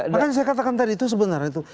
makanya saya katakan tadi itu sebenarnya